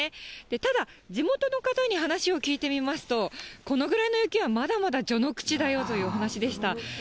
ただ地元の方に話を聞いてみますと、このぐらいの雪はまだまだ序の口だよというお話でした。